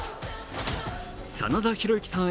真田広之さん